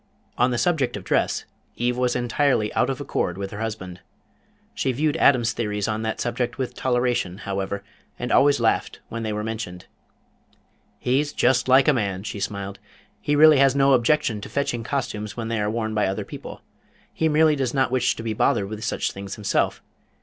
On the subject of dress, Eve was entirely out of accord with her husband. She viewed Adam's theories on that subject with toleration, however, and always laughed when they were mentioned. "He's just like a man," she smiled. "He really has no objection to fetching costumes when they are worn by other people. He merely does not wish to be bothered with such things himself.